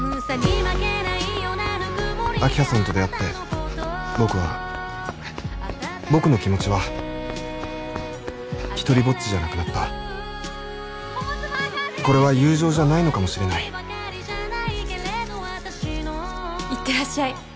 明葉さんと出会って僕は僕の気持ちは独りぼっちじゃなくなったこれは友情じゃないのかもしれない行ってらっしゃい